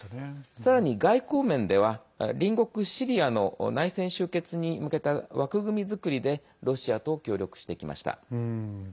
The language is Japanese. さらに、外交面では隣国シリアの内戦終結に向けた枠組み作りでロシアと協力してきました。